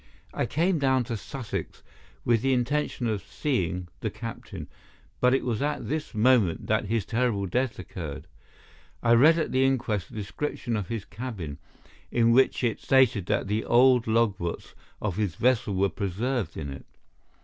"I came down to Sussex with the intention of seeing the captain, but it was at this moment that his terrible death occurred. I read at the inquest a description of his cabin, in which it stated that the old logbooks of his vessel were preserved in it.